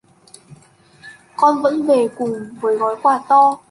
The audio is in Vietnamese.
Con vẫn về cùng với gói quà to